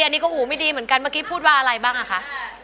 อันนี้ก็หูไม่ดีเหมือนกันเมื่อกี้พูดว่าอะไรบ้างอ่ะคะ